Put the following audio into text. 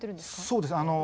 そうですね。